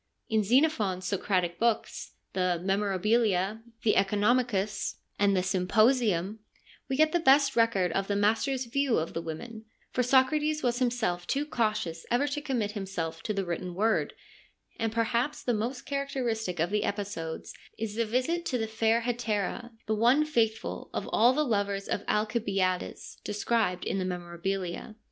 In Xenophon's Socratic books, the Memorabilia, the (Economicus, and the THE SOCRATIC CIRCLE 139 Symposium, we get the best record of the master's view of the women, for Socrates was himself too cautious ever to commit himself to the written word, and perhaps the most characteristic of the episodes is the visit to the fair hetaira, the one faithful of all the lovers of Alcibiades, described in the Memorabilia.